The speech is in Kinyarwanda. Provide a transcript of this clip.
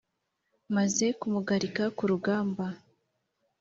maze kumugarika ku rugamba